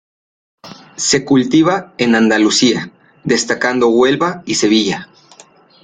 Se cultiva en Andalucía, destacando Huelva y Sevilla.